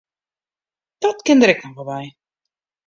Dat kin der ek noch wol by.